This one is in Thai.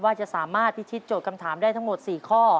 ว่าจะสามารถพิชิตโจทย์คำถามได้ทั้งหมด๔ข้อ